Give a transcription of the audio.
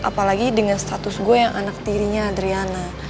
apalagi dengan status gue yang anak tirinya adriana